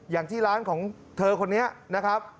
อย่างที่ร้านของเธอคนนี้นะครับ